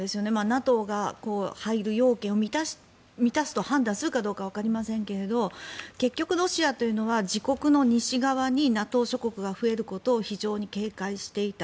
ＮＡＴＯが入る要件を満たすと判断するかどうかはわかりませんけれど結局、ロシアというのは自国の西側にＮＡＴＯ諸国が増えることを非常に警戒していた。